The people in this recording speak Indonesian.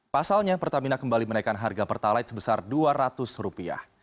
pasalnya pertamina kembali menaikkan harga pertalite sebesar dua ratus rupiah